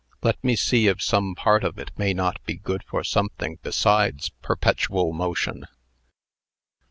Let me see if some part of it may not be good for something besides perpetual motion."